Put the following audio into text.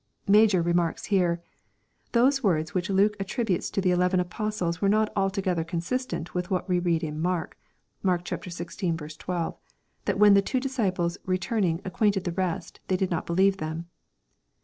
] Major remarks here, " Thea^ words which Luke attributes to the eleven apostles are not alto gether consistent with what we read in Mark, (Mark xvi. 12,) that when the two disciples returning acquainted the rest^ " they did not believe them."